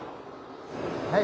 はい。